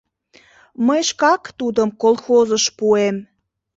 Мый шкак тудым колхозыш пуэм...